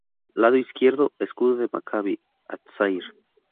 Lado izquierdo: Escudo de Macabi Hatzair.